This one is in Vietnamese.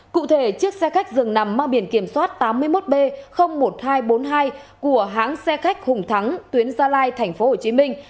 cụ thể chiếc xe khách dường nằm mang biển kiểm soát tám mươi một b một nghìn hai trăm bốn mươi hai của hãng xe khách hùng thắng tuyến gia lai thành phố hồ chí minh